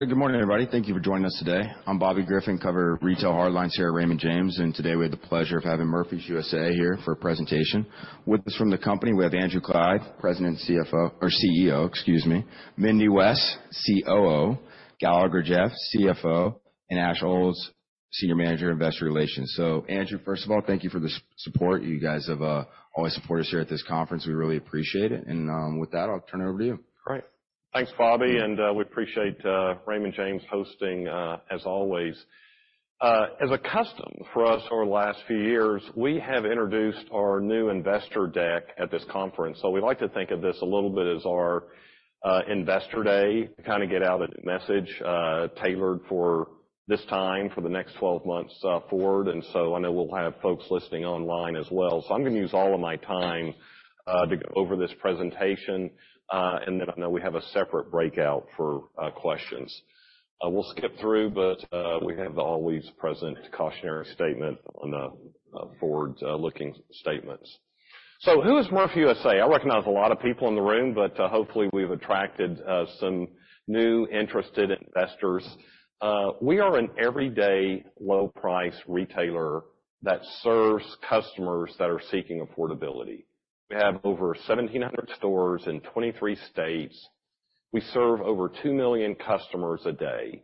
Good morning, everybody. Thank you for joining us today. I'm Bobby Griffin, cover Retail Hardlines here at Raymond James, and today we have the pleasure of having Murphy USA here for a presentation. With us from the company, we have Andrew Clyde, President and CFO, or CEO, excuse me, Mindy West, COO, Galagher Jeff, CFO, and Ash Aulds, Senior Manager, Investor Relations. So Andrew, first of all, thank you for the support. You guys have always supported us here at this conference. We really appreciate it, and with that, I'll turn it over to you. Great. Thanks, Bobby, and we appreciate Raymond James hosting as always. As a custom for us over the last few years, we have introduced our new investor deck at this conference. So we like to think of this a little bit as our investor day, to kind of get out a message tailored for this time, for the next 12 months forward. And so I know we'll have folks listening online as well. So I'm gonna use all of my time to go over this presentation, and then I know we have a separate breakout for questions. We'll skip through, but we have the always present cautionary statement on the forward-looking statements. So who is Murphy USA? I recognize a lot of people in the room, but hopefully, we've attracted some new interested investors. We are an everyday low price retailer that serves customers that are seeking affordability. We have over 1,700 stores in 23 states. We serve over 2 million customers a day.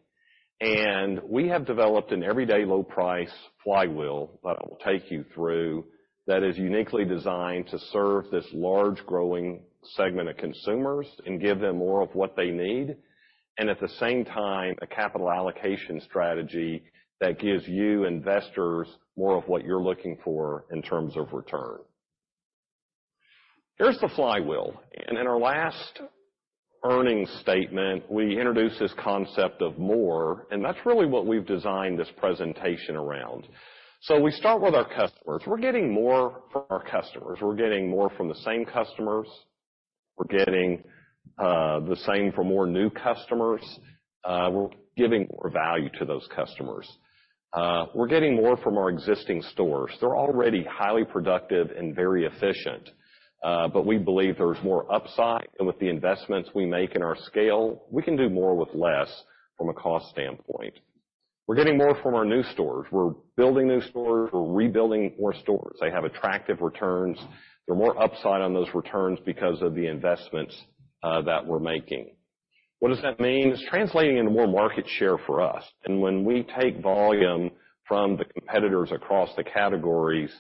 We have developed an everyday low price flywheel that I will take you through, that is uniquely designed to serve this large, growing segment of consumers and give them more of what they need, and at the same time, a capital allocation strategy that gives you, investors, more of what you're looking for in terms of return. Here's the flywheel, and in our last earnings statement, we introduced this concept of more, and that's really what we've designed this presentation around. So we start with our customers. We're getting more from our customers. We're getting more from the same customers. We're getting the same from more new customers. We're giving more value to those customers. We're getting more from our existing stores. They're already highly productive and very efficient, but we believe there's more upside, and with the investments we make in our scale, we can do more with less from a cost standpoint. We're getting more from our new stores. We're building new stores. We're rebuilding more stores. They have attractive returns. They're more upside on those returns because of the investments that we're making. What does that mean? It's translating into more market share for us, and when we take volume from the competitors across the categories,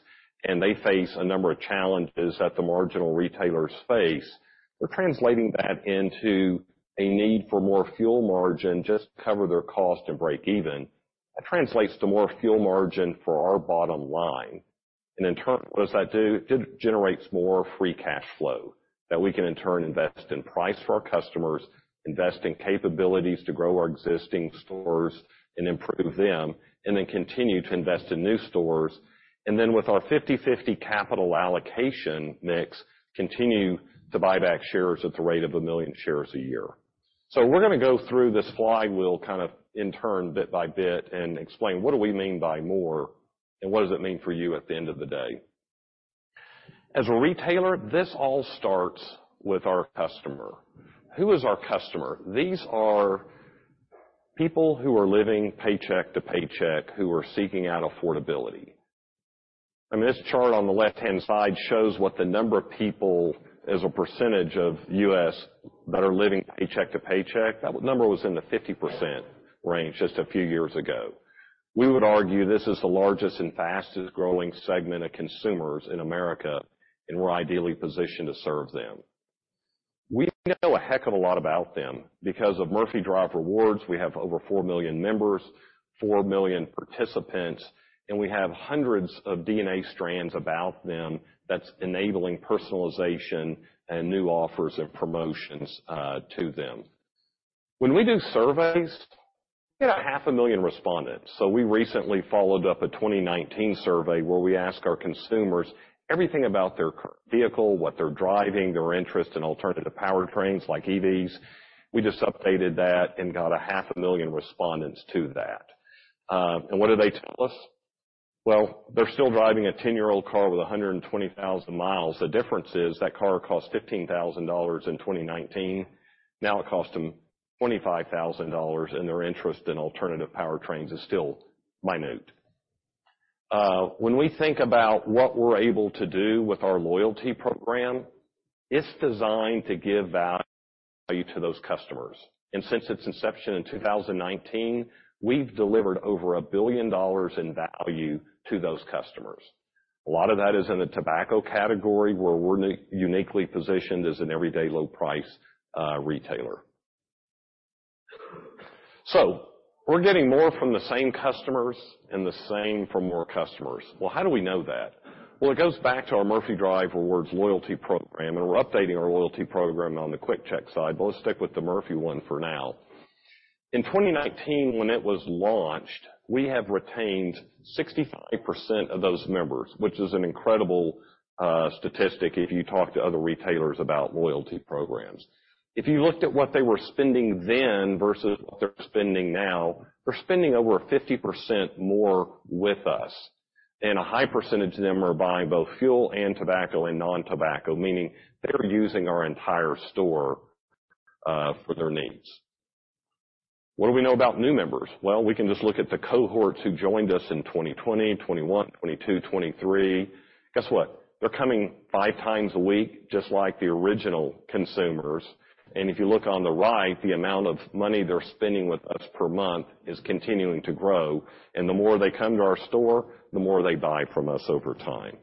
and they face a number of challenges that the marginal retailers face, we're translating that into a need for more fuel margin, just to cover their cost and break even. That translates to more fuel margin for our bottom line. And in turn, what does that do? It generates more free cash flow, that we can in turn invest in price for our customers, invest in capabilities to grow our existing stores and improve them, and then continue to invest in new stores. And then with our 50/50 capital allocation mix, continue to buy back shares at the rate of 1 million shares a year. So we're gonna go through this flywheel kind of in turn, bit by bit, and explain what do we mean by more, and what does it mean for you at the end of the day? As a retailer, this all starts with our customer. Who is our customer? These are people who are living paycheck to paycheck, who are seeking out affordability. I mean, this chart on the left-hand side shows what the number of people as a percentage of U.S. that are living paycheck to paycheck. That number was in the 50% range just a few years ago. We would argue this is the largest and fastest growing segment of consumers in America, and we're ideally positioned to serve them. We know a heck of a lot about them. Because of Murphy Drive Rewards, we have over 4 million members, 4 million participants, and we have hundreds of data strands about them that's enabling personalization and new offers and promotions to them. When we do surveys, we get 500,000 respondents. We recently followed up a 2019 survey where we ask our consumers everything about their current vehicle, what they're driving, their interest in alternative powertrains, like EVs. We just updated that and got 500,000 respondents to that. And what did they tell us? Well, they're still driving a 10-year-old car with 120,000 miles. The difference is, that car cost $15,000 in 2019, now it costs them $25,000, and their interest in alternative powertrains is still minute. When we think about what we're able to do with our loyalty program, it's designed to give value to those customers, and since its inception in 2019, we've delivered over $1 billion in value to those customers. A lot of that is in the tobacco category, where we're uniquely positioned as an everyday low price retailer. So we're getting more from the same customers and the same from more customers. Well, how do we know that? Well, it goes back to our Murphy Drive Rewards loyalty program, and we're updating our loyalty program on the QuickChek side, but let's stick with the Murphy one for now. In 2019, when it was launched, we have retained 65% of those members, which is an incredible statistic if you talk to other retailers about loyalty programs. If you looked at what they were spending then versus what they're spending now, they're spending over 50% more with us, and a high percentage of them are buying both fuel and tobacco and non-tobacco, meaning they're using our entire store for their needs. What do we know about new members? Well, we can just look at the cohorts who joined us in 2020, 2021, 2022, 2023. Guess what? They're coming five times a week, just like the original consumers. And if you look on the right, the amount of money they're spending with us per month is continuing to grow, and the more they come to our store, the more they buy from us over time.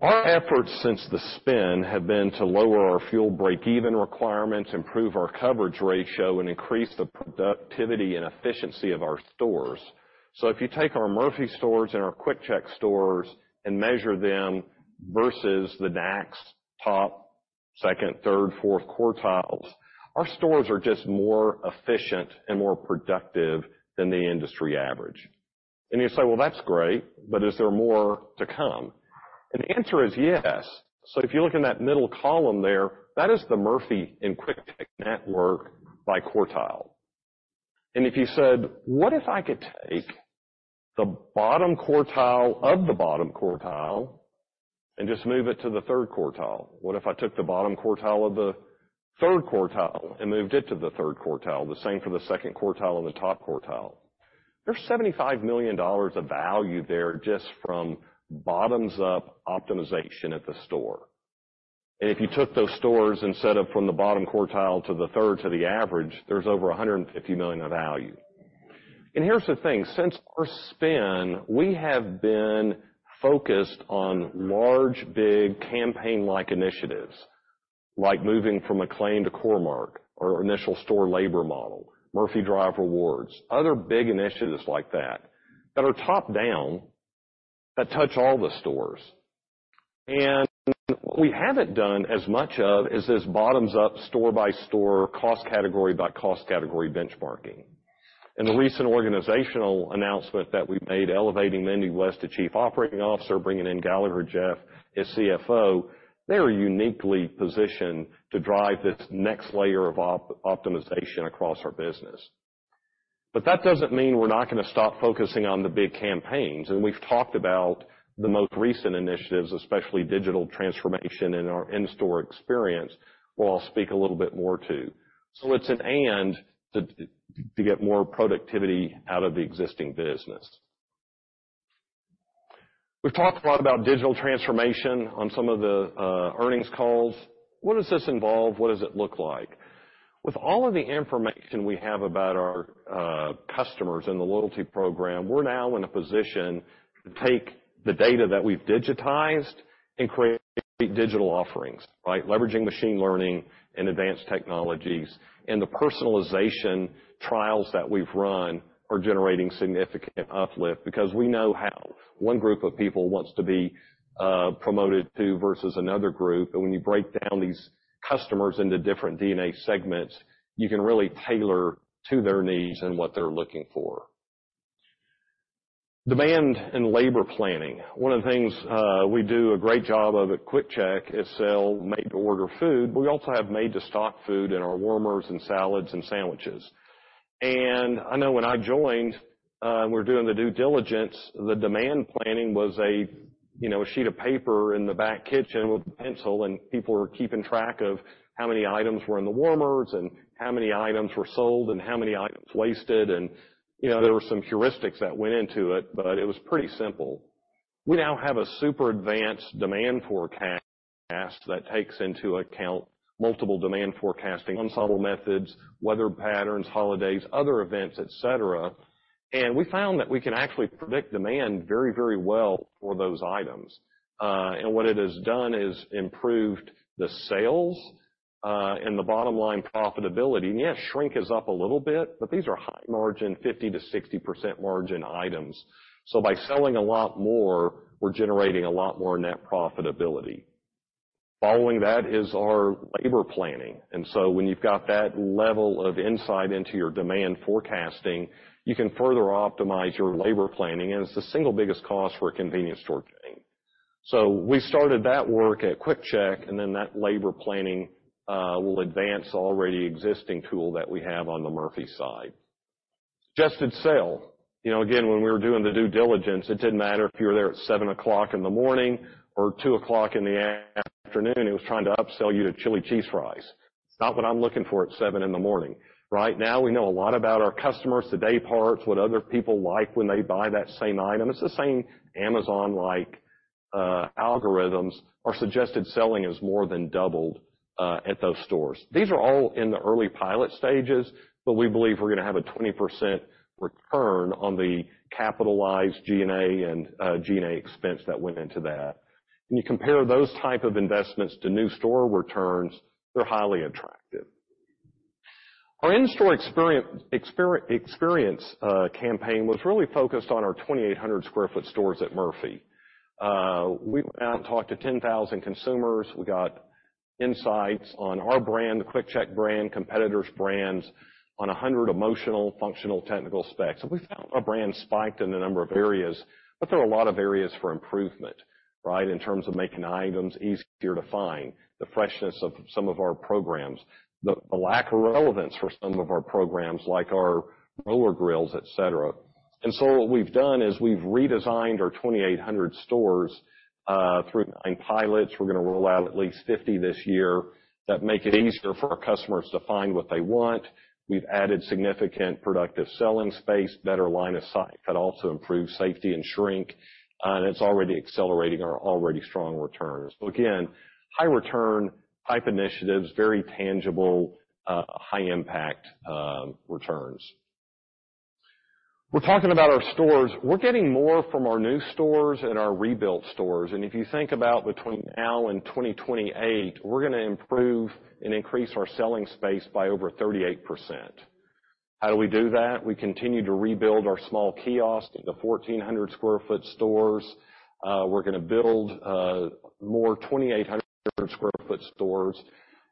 Our efforts since the spin have been to lower our fuel break-even requirements, improve our coverage ratio, and increase the productivity and efficiency of our stores. So if you take our Murphy stores and our QuickChek stores and measure them versus the top, second, third, fourth quartiles, our stores are just more efficient and more productive than the industry average. And you say, "Well, that's great, but is there more to come?" And the answer is yes. So if you look in that middle column there, that is the Murphy and QuickChek network by quartile. And if you said, "What if I could take the bottom quartile of the bottom quartile and just move it to the third quartile? What if I took the bottom quartile of the third quartile and moved it to the third quartile, the same for the second quartile and the top quartile?" There's $75 million of value there just from bottoms-up optimization at the store. And if you took those stores and set up from the bottom quartile to the third to the average, there's over $150 million in value. And here's the thing: since our spin, we have been focused on large, big, campaign-like initiatives, like moving from McLane to Core-Mark, our initial store labor model, Murphy Drive Rewards, other big initiatives like that, that are top-down, that touch all the stores. And what we haven't done as much of is this bottoms-up, store-by-store, cost category by cost category benchmarking. In the recent organizational announcement that we made, elevating Mindy West to Chief Operating Officer, bringing in Galagher Jeff as CFO, they are uniquely positioned to drive this next layer of optimization across our business. But that doesn't mean we're not gonna stop focusing on the big campaigns, and we've talked about the most recent initiatives, especially digital transformation in our in-store experience, where I'll speak a little bit more, too. So it's an and to, to get more productivity out of the existing business. We've talked a lot about digital transformation on some of the, earnings calls. What does this involve? What does it look like? With all of the information we have about our, customers in the loyalty program, we're now in a position to take the data that we've digitized and create digital offerings, right? Leveraging machine learning and advanced technologies. The personalization trials that we've run are generating significant uplift because we know how one group of people wants to be promoted to versus another group, and when you break down these customers into different DNA segments, you can really tailor to their needs and what they're looking for. Demand and labor planning. One of the things we do a great job of at QuickChek is sell made-to-order food. We also have made-to-stock food in our warmers and salads and sandwiches. I know when I joined, we're doing the due diligence, the demand planning was a, you know, a sheet of paper in the back kitchen with a pencil, and people were keeping track of how many items were in the warmers and how many items were sold and how many items wasted. You know, there were some heuristics that went into it, but it was pretty simple. We now have a super advanced demand forecast that takes into account multiple demand forecasting, ensemble methods, weather patterns, holidays, other events, et cetera, and we found that we can actually predict demand very, very well for those items. And what it has done is improved the sales, and the bottom line profitability. And, yes, shrink is up a little bit, but these are high-margin, 50%-60% margin items. So by selling a lot more, we're generating a lot more net profitability. Following that is our labor planning, and so when you've got that level of insight into your demand forecasting, you can further optimize your labor planning, and it's the single biggest cost for a convenience store chain. So we started that work at QuickChek, and then that labor planning will advance already existing tool that we have on the Murphy side. Suggested sale. You know, again, when we were doing the due diligence, it didn't matter if you were there at 7:00 A.M. or 2:00 P.M., it was trying to upsell you to chili cheese fries. It's not what I'm looking for at 7:00 A.M. Right now, we know a lot about our customers, the dayparts, what other people like when they buy that same item. It's the same Amazon-like algorithms. Our suggested selling has more than doubled at those stores. These are all in the early pilot stages, but we believe we're gonna have a 20% return on the capitalized G&A and G&A expense that went into that. When you compare those type of investments to new store returns, they're highly attractive. Our in-store experience campaign was really focused on our 2,800 sq ft stores at Murphy. We went out and talked to 10,000 consumers. We got insights on our brand, the QuickChek brand, competitors' brands, on 100 emotional, functional, technical specs, and we found our brand spiked in a number of areas, but there are a lot of areas for improvement, right? In terms of making items easier to find, the freshness of some of our programs... the lack of relevance for some of our programs, like our roller grills, et cetera. And so what we've done is we've redesigned our 2,800 stores through 9 pilots. We're gonna roll out at least 50 this year that make it easier for our customers to find what they want. We've added significant productive selling space, better line of sight, that also improves safety and shrink, and it's already accelerating our already strong returns. So again, high return type initiatives, very tangible, high impact, returns. We're talking about our stores. We're getting more from our new stores and our rebuilt stores, and if you think about between now and 2028, we're gonna improve and increase our selling space by over 38%. How do we do that? We continue to rebuild our small kiosks into 1,400 sq ft stores. We're gonna build more 2,800 sq ft stores.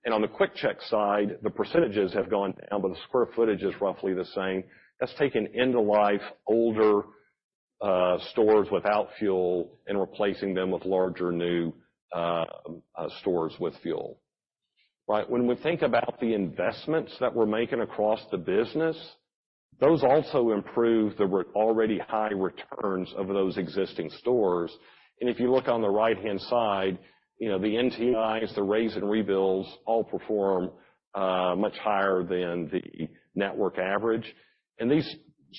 And on the QuickChek side, the percentages have gone down, but the square footage is roughly the same. That's taking end-of-life, older stores without fuel and replacing them with larger, new stores with fuel. Right, when we think about the investments that we're making across the business, those also improve the already high returns of those existing stores. And if you look on the right-hand side, you know, the NTIs, the raze and rebuilds, all perform much higher than the network average. And these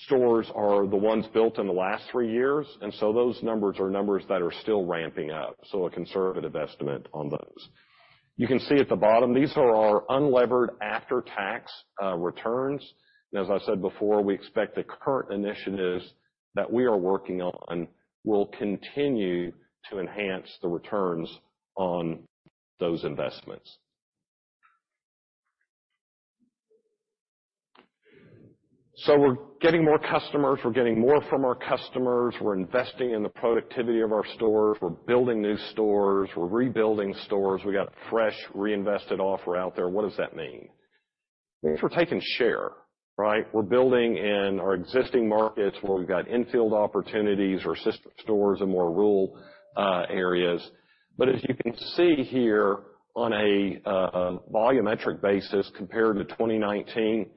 stores are the ones built in the last three years, and so those numbers are numbers that are still ramping up, so a conservative estimate on those. You can see at the bottom, these are our unlevered after-tax returns. As I said before, we expect the current initiatives that we are working on will continue to enhance the returns on those investments. So we're getting more customers, we're getting more from our customers, we're investing in the productivity of our stores, we're building new stores, we're rebuilding stores, we got fresh reinvested offer out there. What does that mean? It means we're taking share, right? We're building in our existing markets where we've got infill opportunities or sister stores in more rural areas. But as you can see here, on a volumetric basis compared to 2019,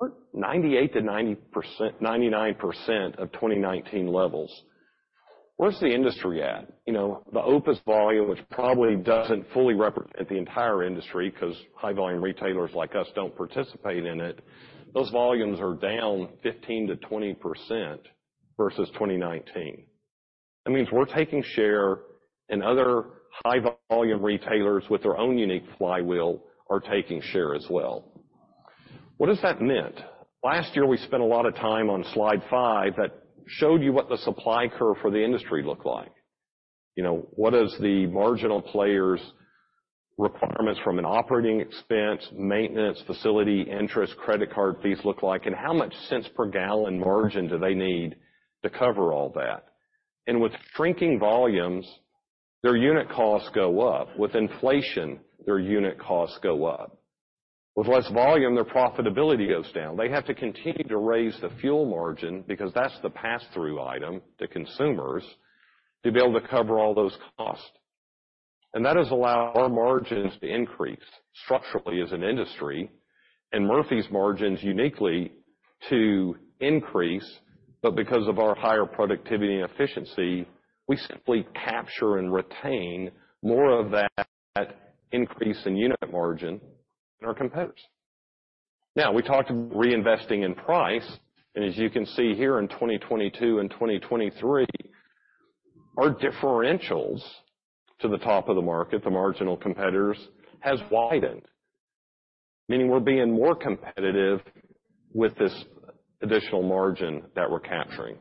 we're 98%-99% of 2019 levels. Where's the industry at? You know, the OPIS volume, which probably doesn't fully represent the entire industry, because high-volume retailers like us don't participate in it, those volumes are down 15%-20% versus 2019. That means we're taking share, and other high-volume retailers with their own unique flywheel are taking share as well. What does that mean? Last year, we spent a lot of time on slide 5 that showed you what the supply curve for the industry looked like. You know, what is the marginal players' requirements from an operating expense, maintenance, facility, interest, credit card fees look like, and how much cents per gallon margin do they need to cover all that? With shrinking volumes, their unit costs go up. With inflation, their unit costs go up. With less volume, their profitability goes down. They have to continue to raise the fuel margin, because that's the pass-through item to consumers, to be able to cover all those costs. That has allowed our margins to increase structurally as an industry, and Murphy's margins uniquely to increase, but because of our higher productivity and efficiency, we simply capture and retain more of that increase in unit margin than our competitors. Now, we talked about reinvesting in price, and as you can see here, in 2022 and 2023, our differentials to the top of the market, the marginal competitors, has widened, meaning we're being more competitive with this additional margin that we're capturing.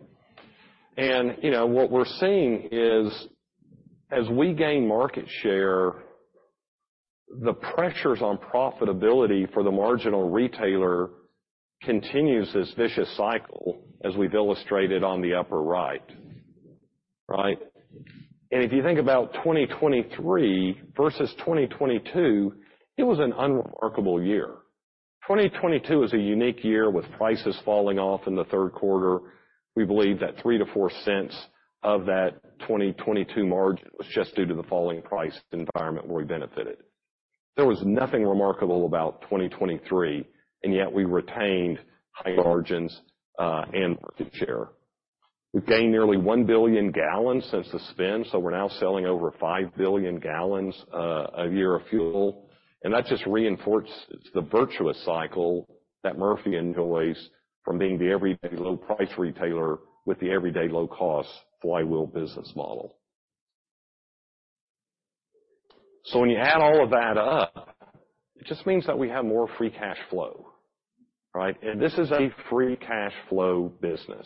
And, you know, what we're seeing is, as we gain market share, the pressures on profitability for the marginal retailer continues this vicious cycle, as we've illustrated on the upper right, right? And if you think about 2023 versus 2022, it was an unremarkable year. 2022 was a unique year with prices falling off in the third quarter. We believe that $0.03-$0.04 of that 2022 margin was just due to the falling price environment where we benefited. There was nothing remarkable about 2023, and yet we retained high margins, and market share. We've gained nearly 1 billion gallons since the spin, so we're now selling over 5 billion gallons a year of fuel, and that just reinforces the virtuous cycle that Murphy enjoys from being the everyday low price retailer with the everyday low-cost flywheel business model. So when you add all of that up, it just means that we have more free cash flow, right? And this is a free cash flow business.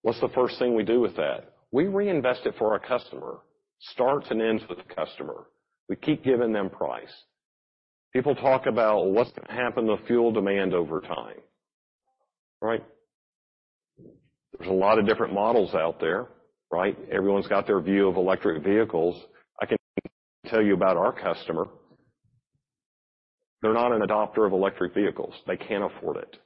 What's the first thing we do with that? We reinvest it for our customer. Starts and ends with the customer. We keep giving them price. People talk about what's going to happen to fuel demand over time, right? There's a lot of different models out there, right? Everyone's got their view of electric vehicles. I can tell you about our customer. They're not an adopter of electric vehicles. They can't afford it....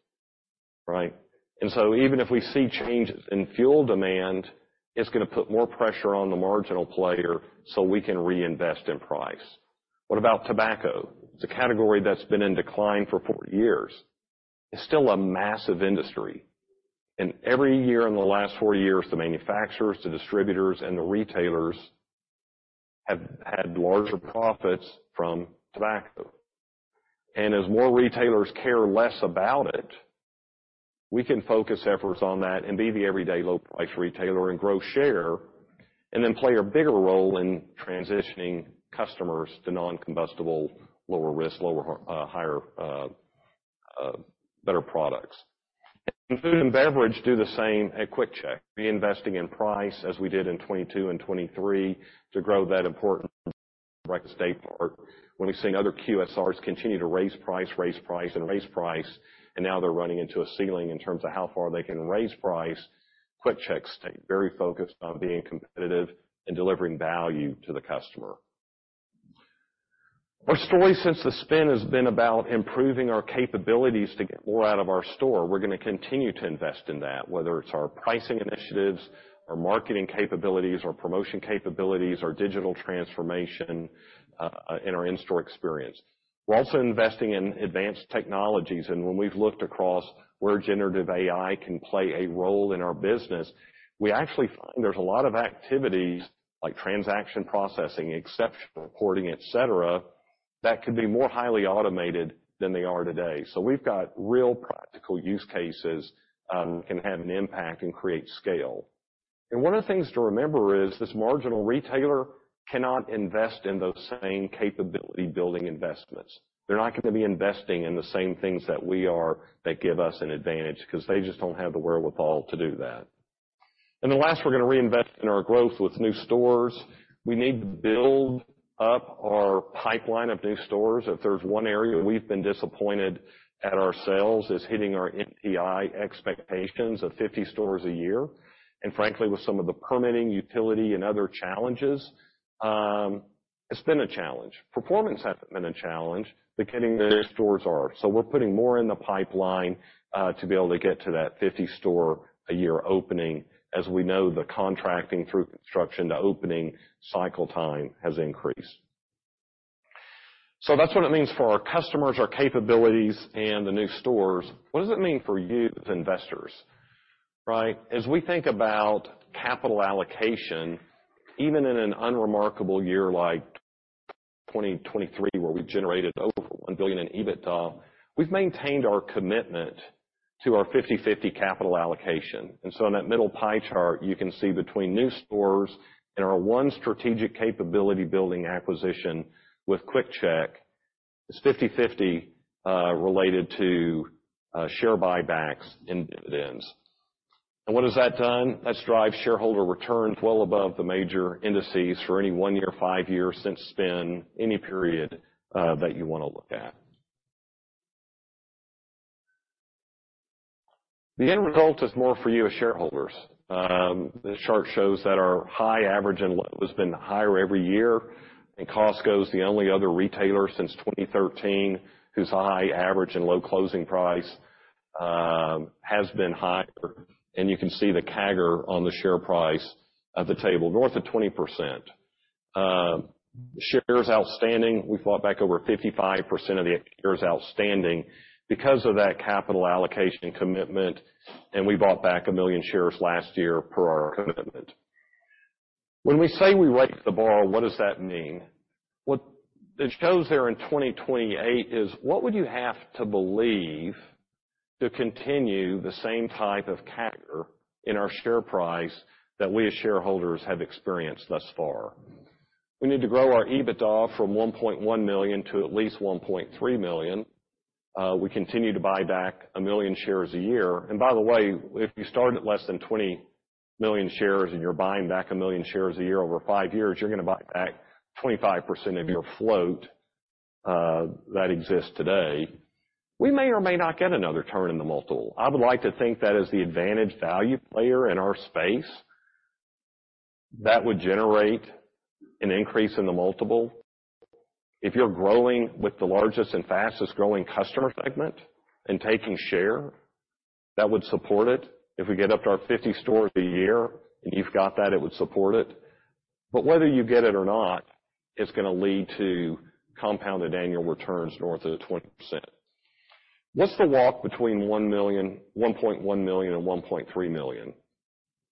Right? And so even if we see changes in fuel demand, it's going to put more pressure on the marginal player, so we can reinvest in price. What about tobacco? It's a category that's been in decline for four years. It's still a massive industry, and every year in the last four years, the manufacturers, the distributors, and the retailers have had larger profits from tobacco. And as more retailers care less about it, we can focus efforts on that and be the everyday low price retailer and grow share, and then play a bigger role in transitioning customers to non-combustible, lower risk, lower, higher, better products. In food and beverage, do the same at QuickChek, reinvesting in price as we did in 2022 and 2023 to grow that important breakfast daypart. When we've seen other QSRs continue to raise price, raise price, and raise price, and now they're running into a ceiling in terms of how far they can raise price, QuickChek stayed very focused on being competitive and delivering value to the customer. Our story since the spin has been about improving our capabilities to get more out of our store. We're going to continue to invest in that, whether it's our pricing initiatives, our marketing capabilities, our promotion capabilities, our digital transformation, and our in-store experience. We're also investing in advanced technologies, and when we've looked across where generative AI can play a role in our business, we actually find there's a lot of activities, like transaction processing, exception reporting, et cetera, that could be more highly automated than they are today. So we've got real practical use cases, can have an impact and create scale. One of the things to remember is, this marginal retailer cannot invest in those same capability-building investments. They're not going to be investing in the same things that we are, that give us an advantage, because they just don't have the wherewithal to do that. And the last, we're going to reinvest in our growth with new stores. We need to build up our pipeline of new stores. If there's one area we've been disappointed at ourselves, is hitting our NTI expectations of 50 stores a year. And frankly, with some of the permitting, utility, and other challenges, it's been a challenge. Performance hasn't been a challenge, but getting new stores are. So we're putting more in the pipeline, to be able to get to that 50 store a year opening. As we know, the contracting through construction to opening cycle time has increased. So that's what it means for our customers, our capabilities, and the new stores. What does it mean for you as investors? Right? As we think about capital allocation, even in an unremarkable year like 2023, where we generated over $1 billion in EBITDA, we've maintained our commitment to our 50/50 capital allocation. And so in that middle pie chart, you can see between new stores and our one strategic capability building acquisition with QuickChek, is 50/50, related to, share buybacks and dividends. And what has that done? That's driven shareholder returns well above the major indices for any one year, 5-year since spin, any period, that you want to look at. The end result is more for you as shareholders. This chart shows that our high average and low has been higher every year, and Costco is the only other retailer since 2013 whose high, average, and low closing price has been higher. And you can see the CAGR on the share price at the table, north of 20%. Shares outstanding, we bought back over 55% of the shares outstanding because of that capital allocation commitment, and we bought back 1 million shares last year per our commitment. When we say we raised the bar, what does that mean? What it shows there in 2028 is what would you have to believe to continue the same type of CAGR in our share price that we as shareholders have experienced thus far? We need to grow our EBITDA from $1.1 million to at least $1.3 million. We continue to buy back 1 million shares a year. And by the way, if you started at less than 20 million shares, and you're buying back 1 million shares a year, over 5 years, you're going to buy back 25% of your float, that exists today. We may or may not get another turn in the multiple. I would like to think that as the advantage value player in our space, that would generate an increase in the multiple. If you're growing with the largest and fastest growing customer segment and taking share, that would support it. If we get up to our 50 stores a year and you've got that, it would support it. But whether you get it or not, it's going to lead to compounded annual returns north of 20%. What's the walk between $1.1 million and $1.3 million?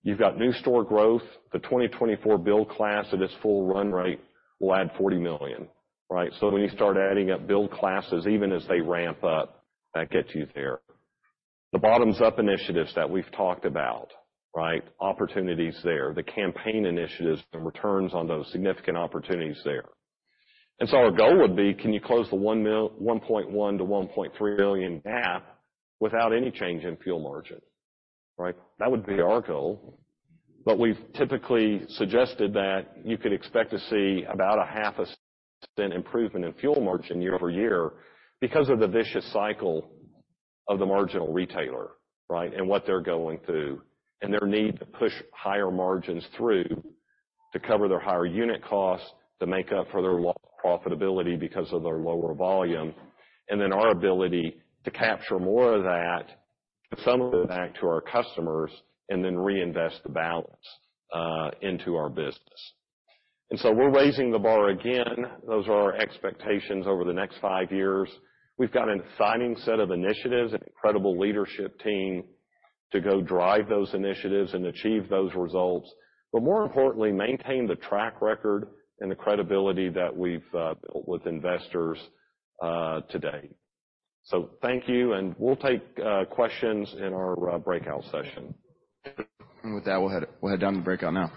You've got new store growth. The 2024 build class at its full run rate will add 40 million, right? So when you start adding up build classes, even as they ramp up, that gets you there. The bottoms-up initiatives that we've talked about, right? Opportunities there. The campaign initiatives and returns on those, significant opportunities there. And so our goal would be, can you close the $1.1 million-$1.3 million gap without any change in fuel margin, right? That would be our goal. But we've typically suggested that you could expect to see about 0.5% improvement in fuel margin year over year because of the vicious cycle of the marginal retailer, right, and what they're going through, and their need to push higher margins through to cover their higher unit costs, to make up for their lost profitability because of their lower volume, and then our ability to capture more of that, consume it back to our customers, and then reinvest the balance into our business. And so we're raising the bar again. Those are our expectations over the next five years. We've got an exciting set of initiatives and incredible leadership team to go drive those initiatives and achieve those results, but more importantly, maintain the track record and the credibility that we've built with investors to date. Thank you, and we'll take questions in our breakout session. With that, we'll head down to breakout now.